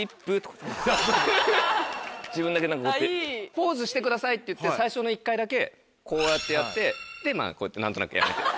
「ポーズしてください」って言って最初の一回だけこうやってやってでまぁ何となく。